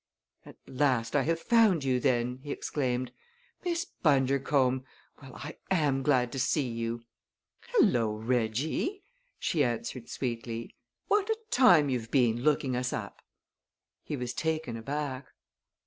"At last I have found you, then!" he exclaimed. "Miss Bundercombe! Well, I am glad to see you!" "Hello, Reggie!" she answered sweetly. "What a time you've been looking us up." He was taken aback.